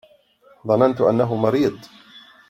ظننت أنه مريض.